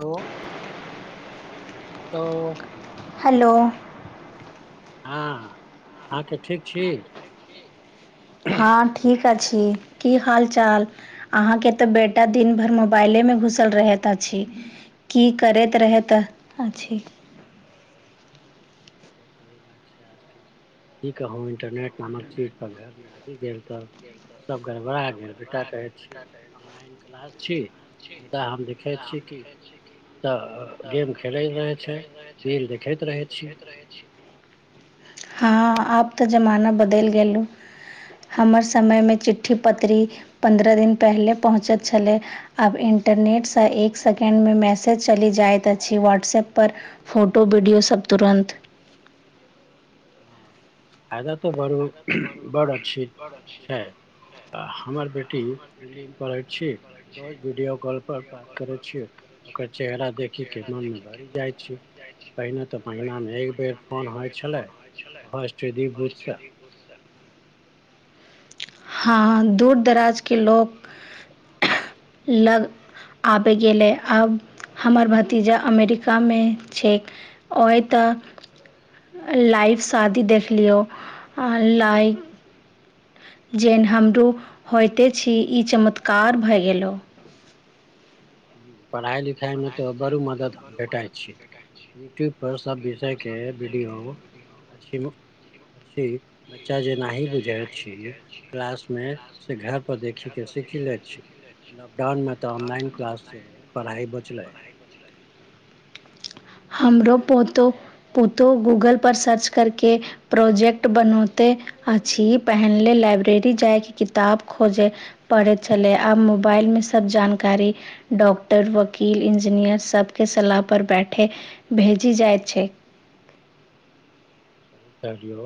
Hello hello hello हँ, अहाँके ठीक छी? हँ, ठीक अछि की हाल चाल? अहाँके तऽ बेटा दिन भर मोबाइले मे घुसल रहैत अछि। की करैत रहैत अछि? तो सही बात छै। आजकल की कहू इंटरनेट नामक चीजप घरमे आबि गेल तऽ सब गर बड़ा गेल, बेटा कहैत छी ऑनलाइन क्लास छी, मुदा हम देखिखे छी कि तऽ गेम खेलैत रहे छै, [unintelligible] देखैत रहे छी। हँ आब तऽ जमाना बदल गेलहु हमर समयमे चिट्ठी पत्री पन्द्रह दिन पहिले पहुँचत छलै आब इंटरनेट स एक सेकेंडमे मैसेज चली जाइत अछि व्हाट्सएप पर। फोटो वीडियोसभ तुरन्त। हां फायदा तो बरो बड़ अछि छै। हमर बेटी दिल्लीमे पढ़ैत छी रोज वीडियो कॉलपर बात करैत छी। ओकर चेहरा देखिके मनमे भरि जाइ छी। पहिने तऽ महिनामे एक बेर फोन होय छलै ओहो एस टी डी बूथ से हाॅं दूर दराजके लोक लग आबि गेलै आब हमर भतीजा अमेरिकामे छैक ओयत लाइव शादी देखलियौ आ लाइव जेहन हमरो होइते छी ई चमत्कार भए गेलौ। पढ़ाइ लिखाइमे तऽ बड़ू मदद भेटाय छै। यूट्यूब पर सब विषय के वीडियो अछीम अछी बच्चा जेनाही बुझै छी क्लास मे से घर पर देखी के सीखी लै छी लॉकडाउन में तऽ ऑनलाइन क्लास से पढ़ाइ बचलै। हमरो पोतो पोतो गूगल पर सर्च करके प्रोजेक्ट बनौते अछि पहिनले लाइब्रेरी जायके किताब खोजै परैत छलै आब मोबाइलमे सभ जानकारी डॉक्टर, वकील, इंजीनियर सबके सलाह पर बैठे भेजी जाइत छै। सही कहलियौ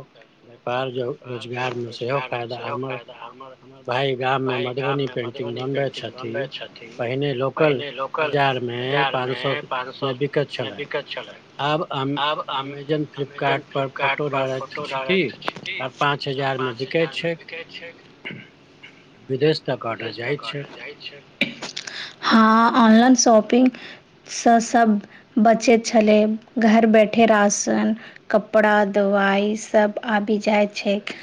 नेपाल जाउ रोजगारमे सेहो फायदा हमर हमर भाय गाममे मधुबनी पेन्टिंग बनबै छथी पहिने लोकल बजारमे पाँच सएमे बिकैत छलै, आब अम अमेजोन, फ्लिपकार्ट पर कार्ट पर फोटो डालैत छथी आ पाँच हजारमे बिकै छै। विदेश तक ऑर्डर जाइत छैक। हां ऑनलाइन शॉपिंग स सब बचै छलै घर बैठे राशन कपड़ा, दवाइ सभ आबि जाइ छैक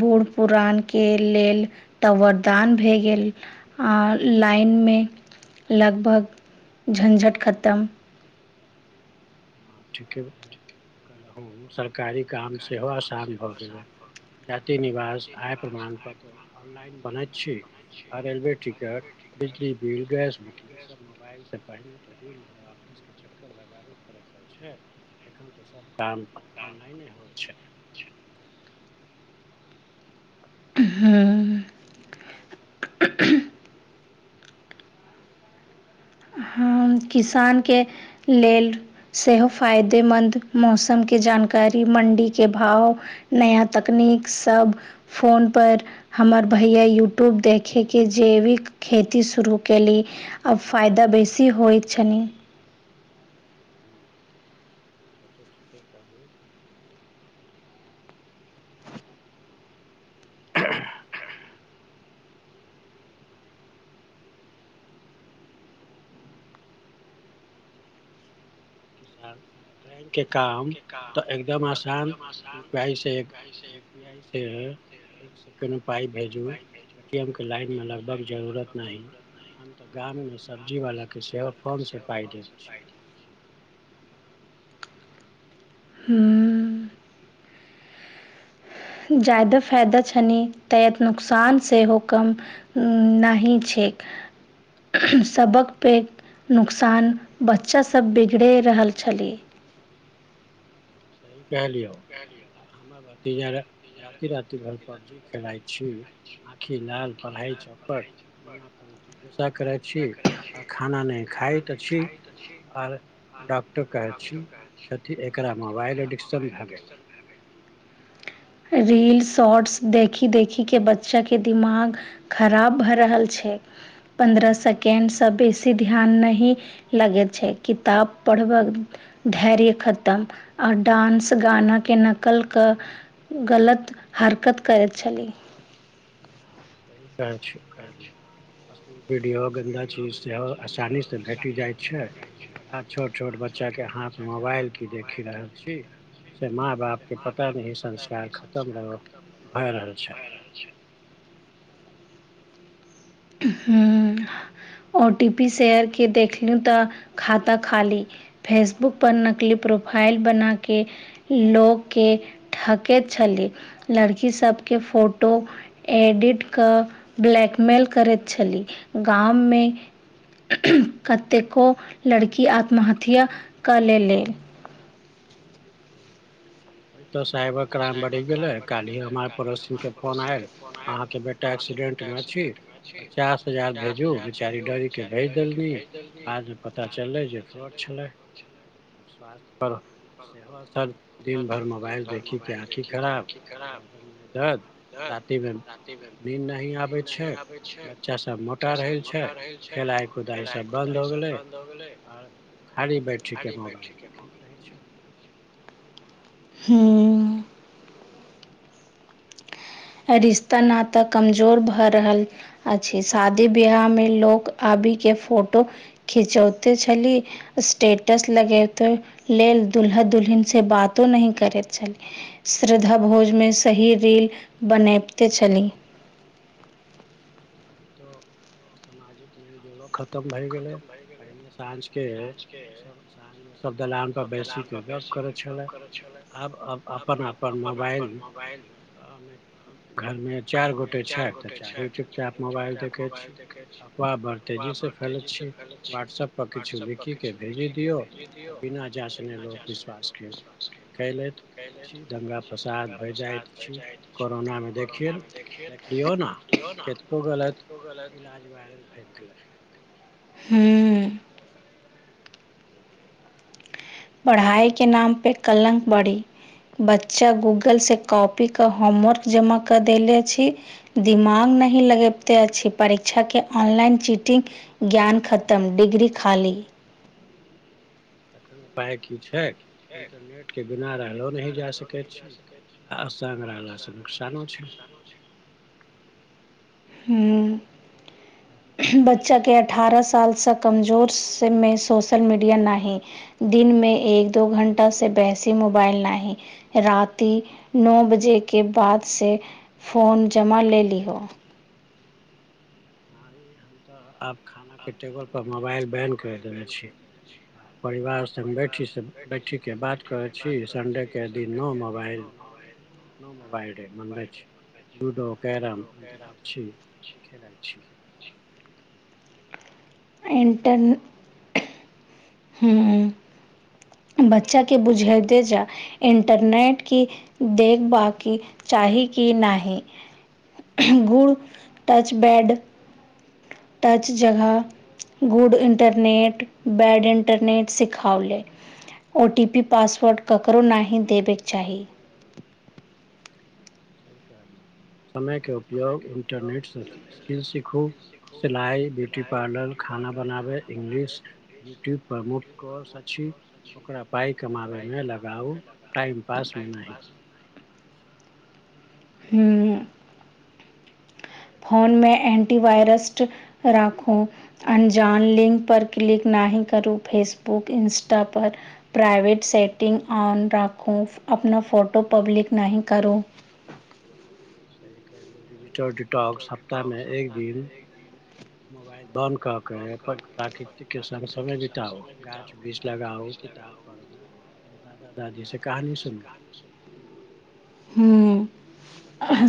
बूढ़ पुरानके लेल त वर- दान भए गेल आ लाइनमे लगभग झंझट खतम हँ ठीके कहलहुँ, सरकारी काम सेहो आसान भऽ गेलै। जाति, निवास, आय प्रमाण पत्र ऑनलाइन बनैत छै आ रेलवे टिकट, बिजली बिल, गैस बुकिंग सब मोबाइलसे पहिने तऽ दिन भर ऑफिस के चक्कर लगाबैत परय छै, एखन तऽ सब काम ऑनलाइने होइ छै। हँ हँ किसानके लेल सेहो फायदेमन्द मौसम के जानकारी, मण्डी के भाव नया तकनीक सब फोन पर हमर भैया यूट्यूब देखी के जैविक खेती शुरू केली अब फायदा बेसी होइत छनि। हूं से तऽ ठीके कहलु। किसान बैंक के काम तऽ एकदम आसान यू पी आइ से आइ से, एक सेकेन्ड मे पाइ भेजू, ऐटीएम के लाइनमे लगभग जरूरत नहि। हम तऽ गाममे सब्जीवलाके सेहो फोन सँ पाइ देैत छियै। हुं। जादा फायदा छनि, त नुकसान सेहो कम उ नहि छैक, सबक पे, नुकसान, बच्चासभ बिगड़े रहल छलै। सही कहलियौ, कहलियै। हमरा भतीजा ले राति राति भरि पबजी खेलाय छै, आखि लाल पढ़ाई चौपट। गुस्सा करै छी, आ खाना नहि खाइत अछि, आर डॉक्टर कहै छथि एकरा मोबाइल एडिक्शन भए गेलै। रील्, शॉर्ट्स देखी देखीके, बच्चाके दिमाग खराब भए रहल छै, पन्द्रह सेकेंडसँ बेसी ध्यान नहि लगे छै, किताब पढ़बक धैर्य खतम, और डान्स, गानाके नकल कऽ गलत हरकत करैत छलै। सही कहै छै करि ली। असली बिडियो, गन्दा चीज, सेहो आसानीसँ भेट जाइत छै। आ छोट छोट बच्चा के हाथ, मोबाइल की देखि रहल छी, से माँ बाप के पता नहि, संस्कार खतम रह, भए रहल छै। छै। हं, ओ टी पी शेयर के देखली, तऽ खाता खाली। फेसबुक पर नकली प्रोफाइल बना के लोक के ठकेैत छलै, लड़की सबके फोटो एडिट क ब्लैकमेल करैत छलै, गाममे कतेको लड़की आत्महत्या क लेलै। ओ तऽ साहबक। क्राइम बढ़ि गेले, काल्हि हमर पड़ोसिन के फोन आयल अहाँ के बेटा एक्सीडेंट मे छी। पचास हजार भेजू बेचारी डर के भेज देलनि बादमे पता चललै जे फ्रॉड छलै। स्वास्थ्य पर सेहो असर दिन भरि मोबाइल देखिक के आखि खराब गर्दनमे दर्द, रातिमे नीन नहि आबै छै, बच्चा सभ मोटा रहै छै। खेलाइ कुदाइ सब बन्द हो गेलै आ खाली बैठि के मोबाइल देखैत रहै छै। हँ। रिश्ता नाता कमजोर भऽ रहल अछि शादी ब्याह मे लोक आबिके फोटो खिचौते छली स्टेटस लगैते लेल दुल्हा दुल्हिनसँ बातो नही करैत छली। श्रद्धा भोजमे सही रील बनबिते छली। वही तऽ सामाजिक मेलजोलो खतम भए गेलै, पहिने साँझके सब साँझ सभ दलानपर बैसीक कऽ गप्प करै छलय, आब अपन-अपन मोबाइल घर में चार गोटे छै, तऽ चारों चुपचाप। मोबाइल देखैत छी, अफवाह बड़ तेजी से फैलैत छी व्हाट्सऐप पर किछु लिखी के भेजी दियौ, तऽ बिना जाँचने लोक विश्वास के कहि लेत छी, दंगा फसाद भए जाइत छी, कोरोनामे देखिन देखलियौ ने कतेक को गलत इलाज वयरल भए गेलै। ह्म्म पढ़ाई के नाम पे कलंक बाड़ी। बच्चा गूगल से कॉपी के होमवर्क जमा करऽ देले छी। दिमाग नहि लगेबिते अछि, परीक्षाके ऑनलाइन चीटिंग ज्ञान खतम डिग्री खाली। तखन उपाय की छै? इंटरनेट के बिना रहलो नहि जा सकैत छी, आसंग रहलास से नुकसानो छै। हूँ बच्चाके अठारह सालसँ कमजोर से सोशल मीडिया नहि। दिनमे एक दो घण्टा से बेसी मोबाइल नहि। राति नओ बजे के बाद से फोन जमा लेली हो। हम तऽ आब खाना के टेबल पर मोबाइल बैन कर देने छी। परिवार संग बैठीसे बैठी के बात करैत छी, संडेके दिन। No mobile no no mobile day मनबै छी, लूडो करम अन्तराछी खेलाइ छी। इन्टरन ह बच्चा के बुझेते जा इंटरनेट की देखबकी चाही की नहि? गुड टच बैड टच जगह गुड इन्टरनेट, बैड इन्टरनेट सिखावाले। ओ टी पी पासवर्ड ककरो नहि देबयके चाही। सही कहलिये। समय के उपयोग इन्टरनेटसँ स्किल सीखू, सिलाइ ब्यूटी पार्लर खाना बनाब, इंगलश यट्यूब प्रमख कोर्स अछि। ओकरा पाइ कमाबैमे लगाउ टाइम पासमे नहि। हूँ फोनमे एंटी वायरस्ट राखू। अनजान लिंक पर क्लिक नहि करू फेसबुक इंस्टा पर प्राइवेट सटिंग ऑन राखू, अपना फोटो पब्लिक नहि करू। सही कहूलु, डिजिटल डिटॉक सप्ताहमे एक दिन मोबाइल बन्द कऽ के अपन प्राकृतिक के संग समय बितउ, गाछ-वृक्ष लगाउ, किताब पढ़ू, दादा दादी से कहानी सुनू हूँ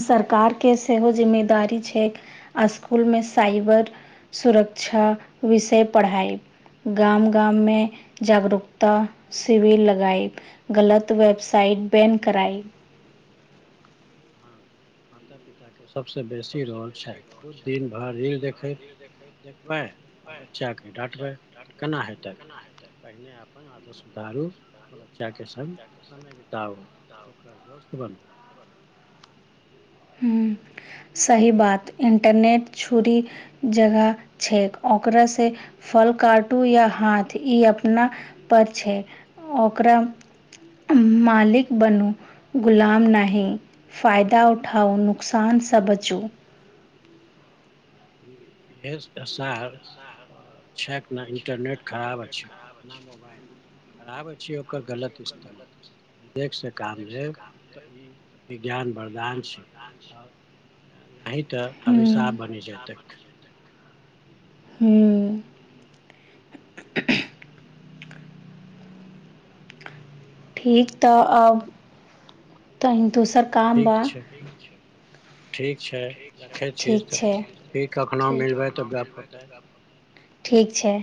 सरकारके सेहो जिम्मेदारी छै, असकुल मे साइबर सुरक्षा विषय पढ़ाइ गाम- गाम में जागरूकता शिविर लगाईब। गलत वेबसाइट बेन कराइब। ह, ह तब पिताके सबसँ बेसी रोल छैन, खुद दिन भरि रील देखैत देखबै। आ बच्चाकेँ डाँटबै तऽ केना हेतै। पहीने अपन आदत सुधारू, त बच्चा के संग समय बिताउ। ओकर दोस्त बनू। [inaudible] सही बात इंटरनेट छुरी जगह छैक, ओकररा से फल काटू या हाथ ई अपना पर छै। ओकरा मालिक बनू गुलाम नहि। फायदा उठ उठाउ नुकसानसँ बचु। ई एस एस आर छैक ने इन्टरनेट खराब अछि। ना मोबाइल खराब अछि। ओकर गलत इस्तेमाल विवेक से काम लेब तऽ ई विज्ञान वरदान छै। और नहि तऽ अभिशाप बनि जायत हूँ। ठीक तऽ अब तनि दोसर ठीक छै, ठीक छै। रखै छि तबऽ फे कखनहु मिलबै तऽ गप होतै। ठीक छै।